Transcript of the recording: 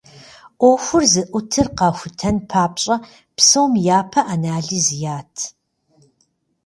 Ӏуэхур зыӏутыр къахутэн папщӏэ, псом япэ анализ ят.